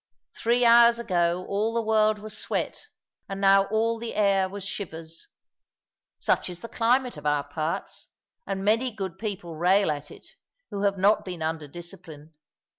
Three hours ago all the world was sweat, and now all the air was shivers. Such is the climate of our parts, and many good people rail at it, who have not been under discipline.